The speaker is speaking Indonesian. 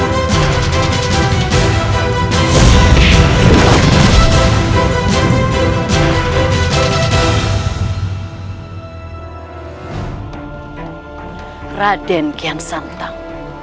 raden kian santang